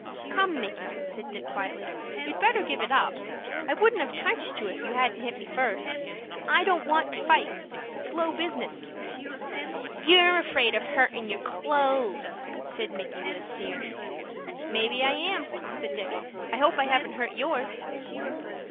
"Come, Micky," said Dick, quietly, "you'd better give it up. I wouldn't have touched you if you hadn't hit me first. I don't want to fight. It's low business." "You're afraid of hurtin' your clo'es," said Micky, with a sneer. "Maybe I am," said Dick. "I hope I haven't hurt yours."